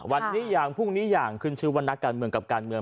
วันนี้อย่างพรุ่งนี้อย่างขึ้นชื่อว่านักการเมืองกับการเมือง